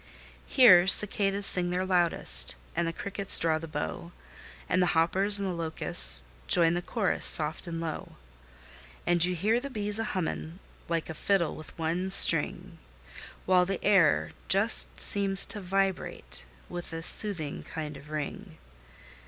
Here, cicadas sing their loudest, and the crickets draw the bow, And the 'hoppers and the locusts join the chorus, soft and low; And you hear the bees a humming like a fiddle with one string, While the air just seems to vibrate with a soothing kind of ring.